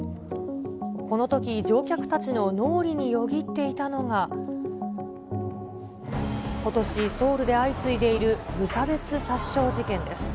このとき、乗客たちの脳裏によぎっていたのが、ことし、ソウルで相次いでいる無差別殺傷事件です。